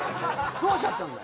どうしちゃったんだよ？